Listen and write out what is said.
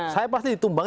saya pasti ditumbang